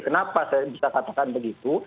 kenapa saya bisa katakan begitu